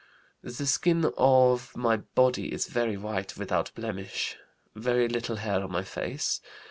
The skin of my body is very white, without blemish. Very little hair on my face.